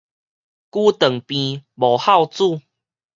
久長病，無孝子